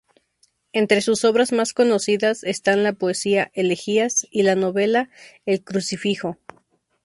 Entre sus obras más conocidas están la poesía "Elegías" y la novela "El crucifijo".